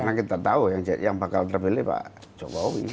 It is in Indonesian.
karena kita tahu yang bakal terpilih pak jokowi